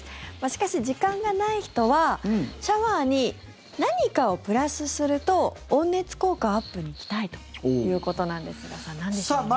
しかし、時間がない人はシャワーに何かをプラスすると温熱効果アップに期待ということなんですがさあ、なんでしょうね。